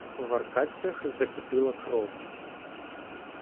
В аркадцях закипіла кров!